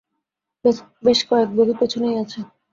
ব্যস কয়েক বগি পেছনেই আছে।